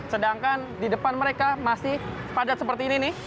sedangkan di depan mereka masih padat seperti ini nih